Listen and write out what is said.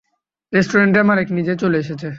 রেস্টুরেন্টের মালিক নিজেই চলে এসেছে।